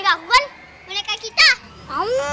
gimana gitu nih kristen kan